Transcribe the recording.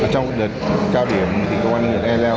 trong cao điểm công an huyện ealeo